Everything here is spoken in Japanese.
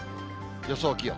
予想気温。